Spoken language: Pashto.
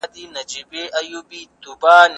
د لمریزي برښنا کارول څنګه دي؟